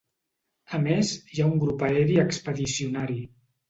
A més, hi ha un grup aeri expedicionari.